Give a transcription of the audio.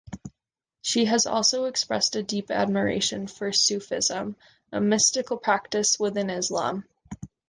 She has also expressed a deep admiration for Sufism, a mystical practice within Islam.